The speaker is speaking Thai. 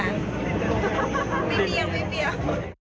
ไม่เบียงไม่เบียง